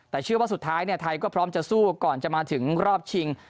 แต่เชื่อว่าสุดท้ายไทยก็พร้อมจะสู้ก่อนจะมาถึงรอบชิง